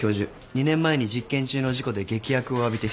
２年前に実験中の事故で劇薬を浴びて失明。